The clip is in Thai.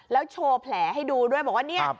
แล้วโชว์แผลให้ดูด้วยบอกว่าเนี่ย